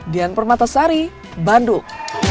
dian permatasari bandung